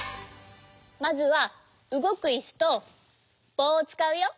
まずはうごくいすとぼうをつかうよ。